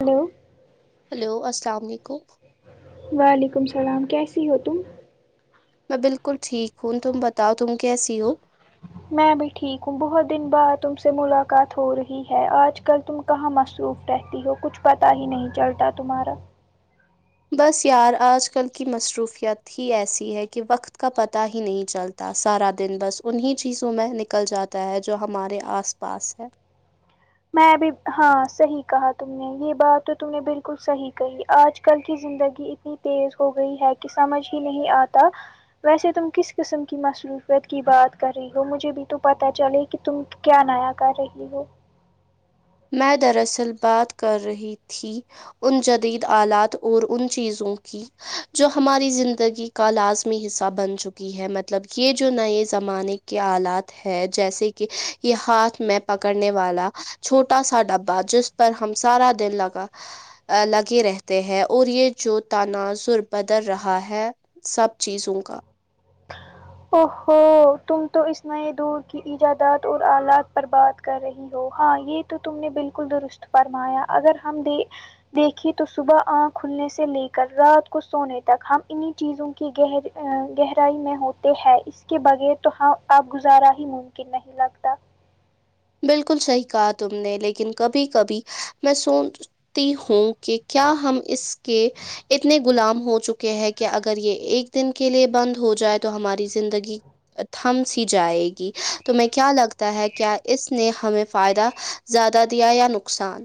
hello hello السلام علیکم وعلیکم السلام کیسی ہو تم میں بالکل ٹھیک ہوں تم بتاؤ تم کیسی ہو میں بھی ٹھیک ہوں بہت دن بعد تم سے ملاقات ہو رہی ہے آج کل تم کہاں مصروف رہتی ہو کچھ پتہ ہی نہیں چلتا تمہارا بس یار آج کل کی مصروفیت ہی ایسی ہے کہ وقت کا پتہ ہی نہیں چلتا سارا دن بس انہیں چیزوں میں نکل جاتا ہے جو ہمارے آس پاس ہے میں بھی ہاں صحیح کہا تم نے یہ بات تو تم نے بالکل صحیح کہی آج کل کی زندگی نی تیز ہو گئی ہے کہ سمجھ ہی نہیں آتا ویسے تم کس قسم کی مصروفیت کی بات کر رہی ہو مجھے بھی تو پتہ چلے کہ تم کیا نیا کر رہی ہو میں دراصل بات کر رہی تھی ان جدید آلات اور ان چیزوں کی جو ہماری زندگی کا لازمی حصہ بن چکی ہے مطلب یہ جو نئے زمانے کے آلات ہے جیسے کہ یہ ہاتھ میں پکڑنے والا چھوٹا سا ڈبا جس پر ہم سارا دن لگا ا لگے رہتے ہیں اور یہ جو تناظر بدل رہا ہے سب چیزوں کا او ہو تم تو اس نئے دور کی ایجادات اور آلات پر بات کر رہی ہو ہاں یہ تو تم نے بالکل درست فرمایا اگر ہم بھی دیکھیے تو صبح آنکھ کھلنے سے لے کر رات کو سونے تک ہم انہیں چیزوں کی گہر ا گہرائی میں ہو ہے اس کے بغیر تو ہ اب گزارا ہی ممکن نہیں لگتا بالکل صحیح کہا تم نے لیکن کبھی کبھی میں سونچ تی ہوں کہ کیا ہم اس کے اتنے غلام ہو چکے ہیں کہ اگر یہ ایک دن کے لیے بند ہو جائے تو ہماری زندگی تھم سی جائے گی تمہیں کیا لگتا ہے کیا اس نے ہمیں فائدہ زیادہ دیا یا نقصان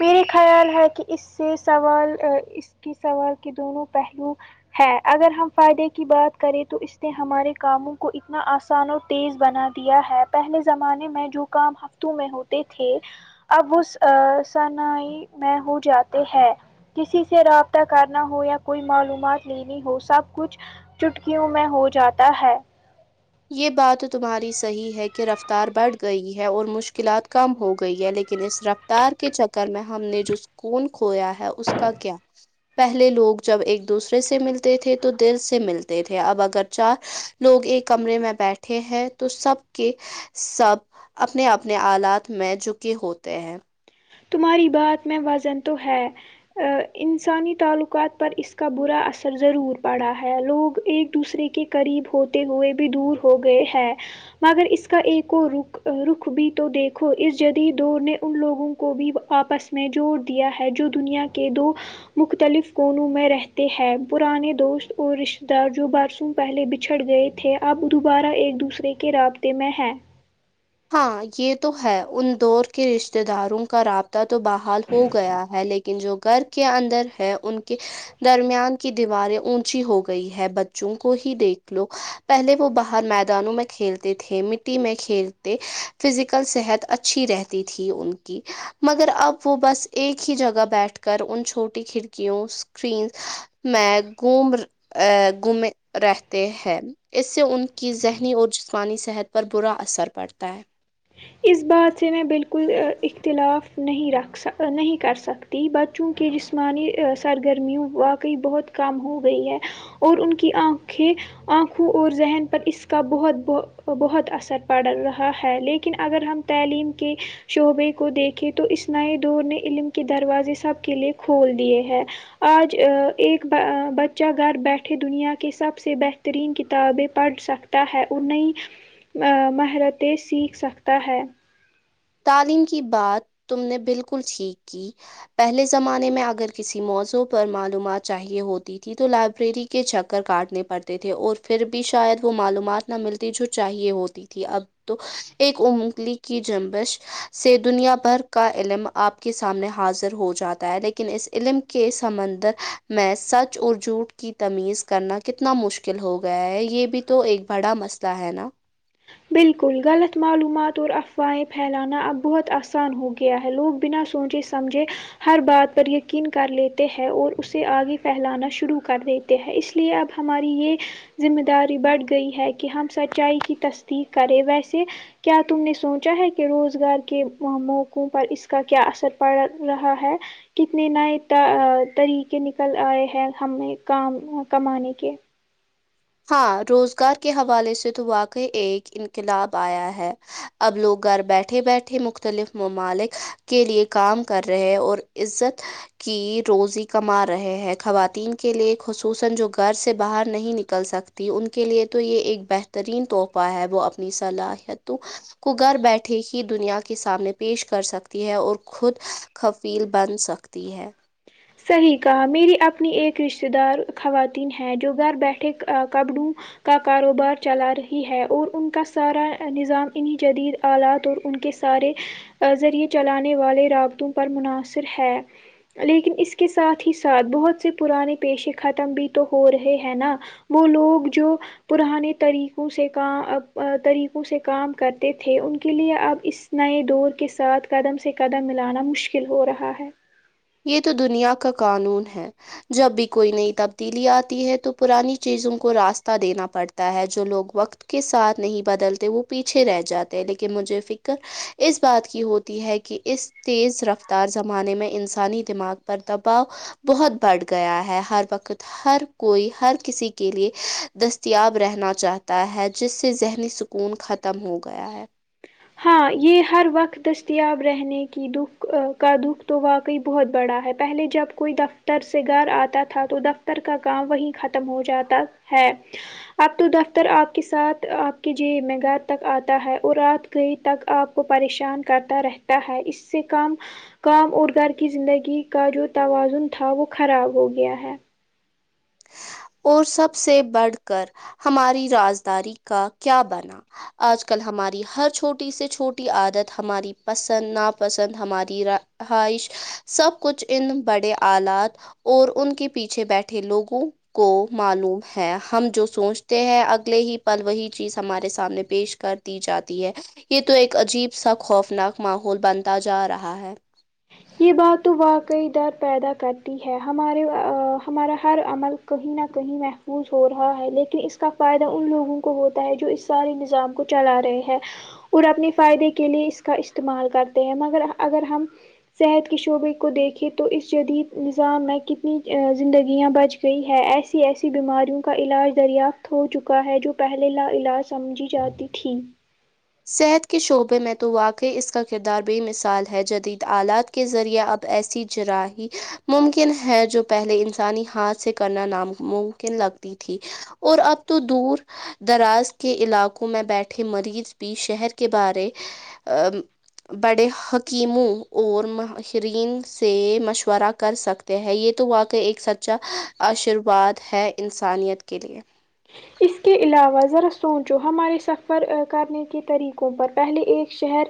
میرے خیال ہے کہ اس سے سوال اس کی سوال کے دونوں پہلو ہے اگر ہم فائدے کی بات کریں تو اس نے ہمارے کاموں کو اتنا آسان اور تیز بنا دیا ہے پہلے زمانے میں جو کام ہفتوں میں ہوتے تھے اب س سنائی میں ہو جاتے ہیں کسی سے رابطہ کرنا ہو یا کوئی معلومات لینی ہو سب کچھ چٹکیوں میں ہو جاتا ہے یہ بات تو تمہاری صحیح ہے کہ رفتار بڑھ گئی ہے اور مشکلات کم ہو گئی ہے لیکن اس رف تار کے چکر میں ہم نے جو سکون کھویا ہے اس کا کیا پہلے لوگ جب ایک دوسرے سے ملتے تھے تو دل سے ملتے تھے اب اگر چار لوگ ایک کمرے میں بیٹھے ہیں تو سب کے سب اپنے اپنے آلات میں جھوکے ہوتے ہیں تمہاری بات میں وزن تو ہے آ، انسانی تعلقات پر اس کا برا اثر ضرور پڑا ہے لوگ ایک دوسرے کے قریب ہوتے ہوئے بھی دور ہو گئے ہیں مگر اس کا ایک اور رخ رخ بھی تو دیکھو اس جدید دور نے ان لوگوں کو کو بھی آپس میں جوڑ دیا ہے جو دنیا کے دو مختلف کونوں میں رہتے ہیں پرانے دوست اور رشتتے دار جو بارسوں کے پہلے بچھڑ گئے تھے اب دوبارہ ایک دوسرے کے رابطے میں ہیں ہاں یہ تو ہے ان دور کے رشتے داروں کا رابطہ تو بحال ہو گیا ہے لیکن کن جو گھر کے اندر ہیں ان کے درمیان کی دیواریں اونچی ہو گئی ہے بچوں کو ہی دیکھ لو پہلے وہ باہر میدانوں میں کھیلتے تھے مٹی میں کھیل تے فزیکل صحت اچھی رہتی تھی ان کی مگر اب وہ بس ایک ہی جگہ بیٹھ کر ان چھوٹی کھڑکیوں اسکرینس میں گھوم گھوم رہتے ہیں اس سے ان کی ذہنی اور جسمانی صحت پر برا اثر پڑتا ہے اس بات سے میں بالکل اختلاف نہیں رکھ س نہیں کر سکتا بچوں کے جسمانی سرگرمیوں واقعی بہت کم ہو گئی ہے اور ان کی آنکھیں آنکھوں اور ذہن پر اس کا بہت بہت اثر پڑ رہا ہے لیکن اگر ہم تعلیم کے شعبے کو دیکھیں تو اس نئے دور نے علم کے دروازے سب کے لیے کھول دیے ہیں آج ایک بچہ گھر بیٹھے دنیا کے سب سے بہتر ترین کتابیں پڑھ سکتا ہے اور نئی مہارتیں سیکھ سکتا ت ہے تعلیم کی بات تم نے بالکل ٹھیک کی پہلے زمانے میں اگر کسی موضوع پر معلومات چاہیے ہوتی تھی تو لائبریری کی کے چکر کاٹنے پڑتے تھے اور پھر بھی شاید وہ معلومات نہ ملتی جو چاہیے ہوتی تھی اب تو ایک انونگلی کی جم ش سے دنیا بھر کا علم آپ کے سامنے حاضر ہو جاتا ہے لیکن اس علم کے سمندر میں سچ اور جھوٹ کی تمیز کرنا کتنا مشکل ہو گیا ہے یہ بھی تو ایک بڑا مسئلہ ہے نا بالکل غلط معلومات اور افواہیں پھیلانا اب بہت آسان ہو گیا ہے لوگ بنا سوچے سمجھے ہر بات پر یقین کر لیتے ہیں اور اسے آگے پھیلانا شروع کر دیتے ہیں اس لیے اب ہماری یہ ذمہ داری بڑھ گئی ہے کہ ہم سچائی کی تشر تی کرے ویسے کیا تم نے سوچا ہے کہ روزگار کے موقع پر اس کا کیا اثر پڑ رہا ہے کتنے نئے طریقے نکل آئے ہیں ہمیں کام کمانے کے ہاں روزگار کے حوالے سے تو واقعی ایک انقلاب آیا ہے اب لوگ گھر بیٹھے بیٹھے مختلف ممالک کے لیے کام کر رہے اور عزت کی روزی کما رہے ہیں خواتین کے لیئے خصوصا جو گھر سے باہر نہیں نک ل سکتی ان کے لیے تو یہ ایک بہترین تحفہ ہے وہ اپنی صلاحیتوں کو گھر بیٹھے ہی دنیا کے سامنے پیش کر سکتی ہے اور خود خفیل بن سکتی ہے صحیح کہا میری اپنی ایک رشتہ دار خواتین ہیں جو گھر بیٹھے کبڑوں کا کاروبار چلا رہی ہے اور ان کا سارا نظام انہیں جدید آلات اور ان کے سارے ذریعے چلانے والے رابطوں پر مناصر ہے لیکن اس کے ساتھ ہی ساتھ بہت سے پرانے پیشے ختم بھی تو ہو رہے ہیں نا وہ لوگ جو پرانے طریقوں سے کا طریقوں سے کام کرتے تھے ان کے لیے اب اس نئے دور کے ساتھ قدم سے قدم ملانا مشکل ہو رہا ہے یہ تو دنیا کا قانون ہے جب بھی کوئی نئی تبدیلی آتی ہے تو پرانی چیزوں کو راستہ دینا پڑتا ہے جو لوگ وقت کے ساتھ نہیں بدلتے وہ پیچھے رہ جاتے لیکن مجھے فکر اس بات کی ہوتی ہے کہ اس تیز رفتار زمانے میں انسانی دماغ پر دباؤ بہت بڑھ گیا ہے ہر وقت ہر کوئی ہر کسی کے لیے دستیاب رہنا چاہتا ہے جس سے ذہنی س کون ختم ہو گیا ہے ہاں یہ ہر وقت دستیاب رہنے کی دکھ کا دکھ تو وا بہت بڑا ہے پہلے جب کوئی دفتر سے گھر آتا تھا تو دفتر کا کام وہیں ختم ختم ہو جاتا ہے اب تو دفتر آپ کے ساتھ آپ کے جیب میں گھر تک آتا ہے اور رات گئی تک آپ کو پریشان کرتا رہتا ہے اس سے کم کام اور گھر کی زندگی کا جو توازن تھا وہ خراب ہو گیا ہے اور سب سے بڑھ کر ہماری رازداری کا کیا بنا آج کل ہماری ہر چھوٹی سے چھوٹی عادت ہماری پسند ناپسند ہماری ر خائش سب کچھ ان بڑے آلات اور ان کے پیچھے بیٹھے لوگوں کو معلوم ہے ہم جو سوچتے ہیں اگلے ہی پل وہی چیز ہمارے سامنے پیش کر جاتی ہے یہ تو ایک عجیب سا خوفناک ماحول بنتا جا رہا ہے یہ بات تو واقعی در پیدا کرتی ہے ہمارے ہمارا ہر عمل کہیں نہ کہیں محفوظ ہو رہا ہے لیکن اس کا فائدہ ان لوگوں کو ہوتا ہے جو اس سارے نظام کو چلا رہے ہے اور اپنے فائدے کے لیے اس کا استعمال کرتے ہیں مگر اگر ہم صحت کے شعبے کو دیکھے تو اس جدید نظام میں کتنی زندگیاں بچ گئی ہے ایسی ایسی بیماریوں کا علاج دریافت ہو چکا ہے جو پہلے لا علاج سمجھی جاتی تھی صحت کے شعبے میں تو واقع اس کا کردار بے مثال ہے جدید آلات کے ذریعے اب ایسی جراحی ممکن ہے جو پہلے انسانی ہاتھ سے کرنا نام ممکن لگتی تھی اور اب تو دور دراز کے علاقوں میں بیٹھے مریض بھی شہر کے بارے بڑے حکیموں اور ماہرین سے مشورہ کر سک ٹے ہیں یہ تو واقعی ایک سچا آشرواد ہے انسانیت کے لیے اس کے کے علاوہ ذرا سوچو ہمارے سفر کرنے کے طریقوں پر پہلے ایک شہر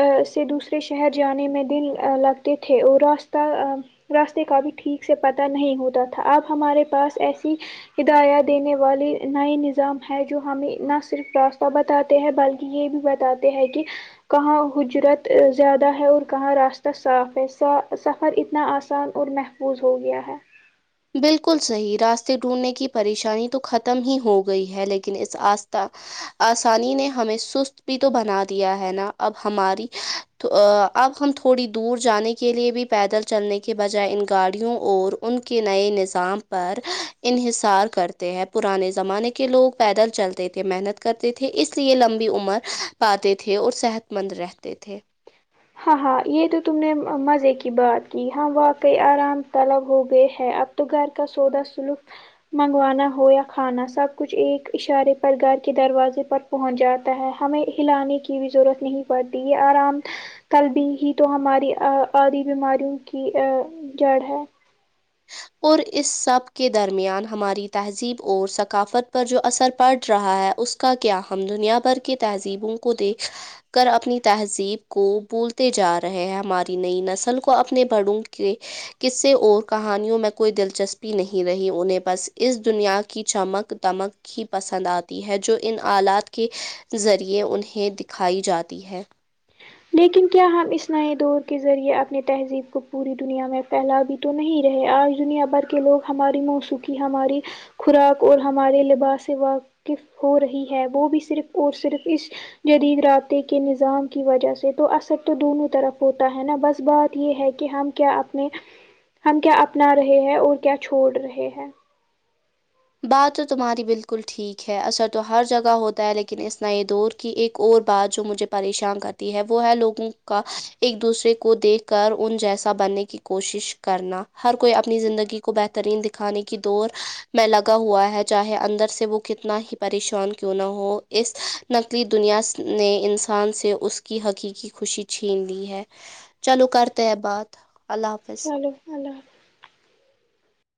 ا سے دوسرے شہر جانے میں دن ا لگتے تھے اور راستہ ا راستے کا بھی ٹھیک سے پتہ نہیں ہوتا تھا اب ہمارے پاس ایسی ہدایات دینے والے نئے نظام ہے جو ہمیں نہ صرف راستہ بتاتے ہیں بلکہ یہ بھی بتاتے ہیں کہ کہاں حجرت زیادہ ہے اور کہاں راستہ صاف ہےا سفر اتنا آسان اور مح فوظ ہو گیا ہے بالکل صحیح راستے ڈھونڈنے کی پریشانی تو ختم ہی ہو گئی ہے لیکن اس آستھا آسانی نے ہمیں سست بھی تو بنا دیا ہے نا اب ہماری تو اب ہم تھوڑی دور جانے کے لیے بھی پیدل چلنے کے بجائے ان گاڑیوں اور ان کے نئے نظام پر انحصار کرتے ہیں پرانے زمانے کے لوگ پیدل چلتے تھے محنت کرتے تھے اس لیے لمبی عمر پاتے تھے اور صحت مند رہتے تھے ہاں ہاں یہ تو تم نےم مزے کی بات کی ہم واقع آرام طلب ہو گئے ہے اب تو گھر کا سودا سلوک منگوانا ہو یا کھانا سب کچھ ایک اشارے پر گھر کے دروازے پر پہنچ جاتا ہے ہمیں ہلانے کی بھی ضرورت نہیں پڑتی یہ آرام کن دن ہی تو ہماری آدھی بیماریوں کی جڑ ہے اور اس سب کے درمیان ہماری تہذیب اور ثقافت پر جو اثر پڑ رہا ہے اس کا کیا ہم دنیا بھر کے تہذیبوں کو دیکھ کر اپنی تہذیب کو بھولتے جا رہے ہیں ہماری نئی نسل کو اپنے بڑوں کے قصے اور کہانیوں میں کوئی دلچسپی نہیں رہی انہیں بس اس دنیا کی چمک دمک ہی پسند آتی ہے جو ان آلات کے ذریعے انہیں دکھائی جاتی ہے لیکن کیا ہم اس نئے دور کے ذریعے اپنی تہذیب کو پوری دنیا میں پھیلا بھی تو نہیں رہے آج دنیا بھر کے لوگ ہماری موسیقی ہماری خوراک اور ہمارے لباس سے واقف ہو رہی ہے وہ بھی صرف اور صرف اس جدید رابطے کے نظام کی وجہ سے سے تو اثر تو دونوں طرف ہوتا ہے نا بس بات یہ ہے کہ ہم کیا اپنے ہم کیا اپنا رہے ہیں اور کیا چھوڑ رہے ہیں بات تو تمہاری بالکل ٹھیک ہے اثر تو ہر جگہ ہوتا ہے لیکن اس نئے دور کہ ایک اور بات جو مجھے پریشان کرتی ہے وہ ہے لوگوں کا ایک دوسرے کو دیکھ کر ان جیسا بننے کی کوشش کرنا ہر کوئی اپنی زندگی کو بہترین دی انے کی دور میں لگ ہوا ہے چاہے اندر سے وہ کتنا ہی پریشان کیوں نہ ہو اس نقلی دنیا س نے انسان سے اس کی حقیقی خوشی چھین لی ہے چلو کرتے ہیں بات اللہ حافظ لو اللہ